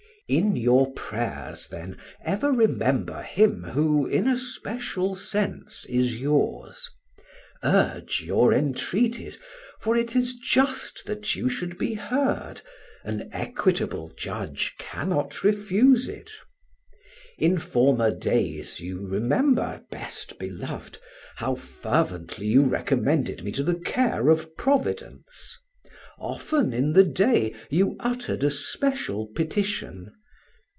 In your prayers, then, ever remember him who, in a special sense, is yours. Urge your entreaties, for it is just that you should be heard. An equitable judge cannot refuse it. In former days, you remember, best beloved, how fervently you recommended me to the care of Providence. Often in the day you uttered a special petition.